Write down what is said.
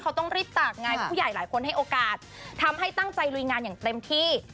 เขาต้องรีบตากไงผู้ใหญ่หลายคนให้โอกาสทำให้ตั้งใจลุยงานอย่างเต็มที่